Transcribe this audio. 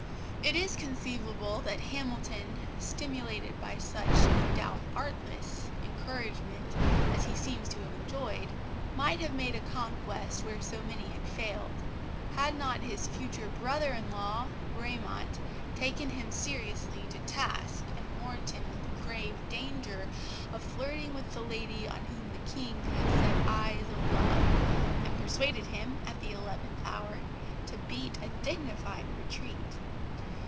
It is conceivable that Hamilton, stimulated by such, no doubt, artless encouragement as he seems to have enjoyed, might have made a conquest where so many had failed, had not his future brother in law, Gramont, taken him seriously to task and warned him of the grave danger of flirting with the lady on whom the King had set eyes of love, and persuaded him at the eleventh hour to beat a dignified retreat.